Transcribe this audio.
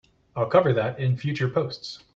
I'll cover that in future posts!